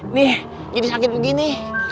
nih jadi sakit begini